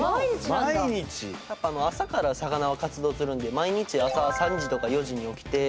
やっぱ朝から魚は活動するんで毎日朝３時とか４時に起きて。